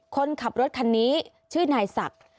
คนขับรถคันนี้ชื่อนายศักดิ์